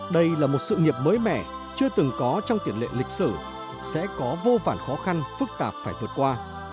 đây là một sự nghiệp mới mẻ chưa từng có trong tiền lệ lịch sử sẽ có vô vản khó khăn phức tạp phải vượt qua